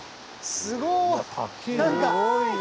すごいな。